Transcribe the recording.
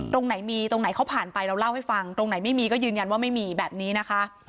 ตรงไหนมีตรงไหนเขาผ่านไปเราเล่าให้ฟังตรงไหนไม่มีก็ยืนยันว่าไม่มีแบบนี้นะคะ